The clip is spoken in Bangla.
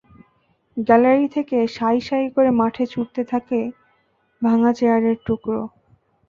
গ্যালারি থেকে সাঁই সাঁই করে মাঠে ছুটতে থাকে ভাঙা চেয়ারের টুকরো।